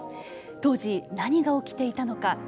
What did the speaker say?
当時、何が起きていたのか。